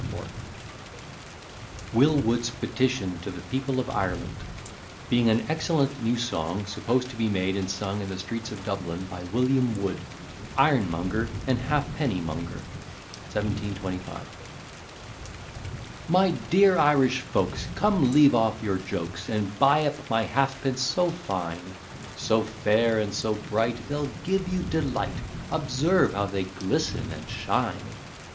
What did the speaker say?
E. B._] WILL WOOD'S PETITION TO THE PEOPLE OF IRELAND BEING AN EXCELLENT NEW SONG, SUPPOSED TO BE MADE, AND SUNG IN THE STREETS OF DUBLIN, BY WILLIAM WOOD, IRONMONGER AND HALFPENNY MONGER. 1725 My dear Irish folks, Come leave off your jokes, And buy up my halfpence so fine; So fair and so bright They'll give you delight; Observe how they glisten and shine!